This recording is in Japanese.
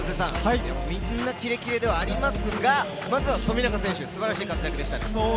みんなキレキレではありますが、まずは富永選手、素晴らしい活躍でしたね。